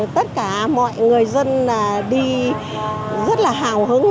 tất cả mọi người dân đi rất hào hứng